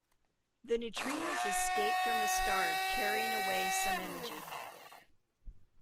The neutrinos escape from the star carrying away some energy.